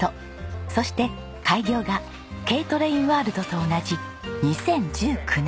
そして開業がＫトレインワールドと同じ２０１９年。